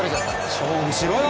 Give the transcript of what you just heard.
勝負しろよ！